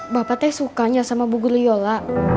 bapak teh sukanya sama bu guru yola